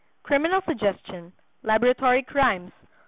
Criminal Suggestion.—Laboratory Crimes.